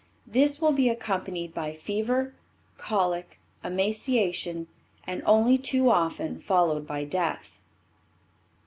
This will be accompanied by fever, colic, emaciation and only too often followed by death.